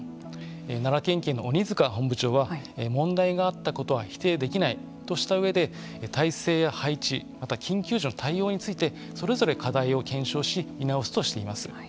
奈良県警の鬼塚本部長は問題があったことは否定できないとしたうえで態勢や配置また緊急時の対応についてそれぞれ課題を検証し見直すとしています。